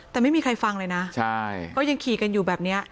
แต่ไม่มีใครฟังเลยนะก็ยังขี่กันอยู่แบบนี้